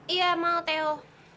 iya mau teo